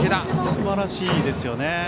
すばらしいですよね。